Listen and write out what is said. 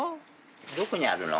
どこにあるの？